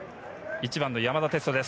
１番の山田哲人です。